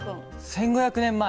１，５００年前！？